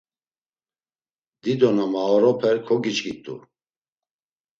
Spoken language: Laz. Dido na maoroper kogiçkit̆u.